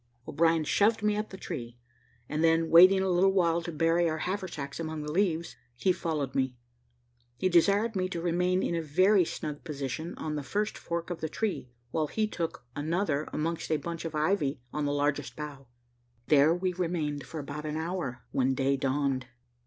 O'Brien shoved me up the tree, and then, waiting a little while to bury our haversacks among the leaves, he followed me. He desired me to remain in a very snug position, on the first fork of the tree, while he took another amongst a bunch of ivy on the largest bough. There we remained for about an hour, when day dawned.